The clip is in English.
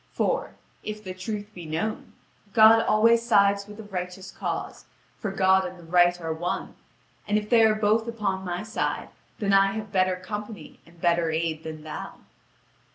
For, if the truth be known, God always sides with the righteous cause, for God and the Right are one; and if they are both upon my side, then I have better company and better aid than thou."